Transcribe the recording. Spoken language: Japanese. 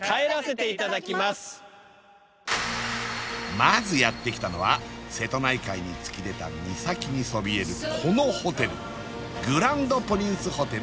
まずやって来たのは瀬戸内海に突き出た岬にそびえるこのホテルグランドプリンスホテル